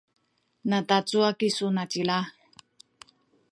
natacuwa kisu nacila?